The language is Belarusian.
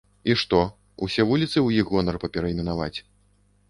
І што, усе вуліцы ў іх гонар паперайменаваць?